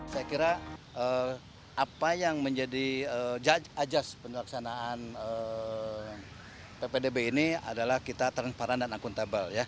saya kira apa yang menjadi ajas pelaksanaan ppdb ini adalah kita transparan dan akuntabel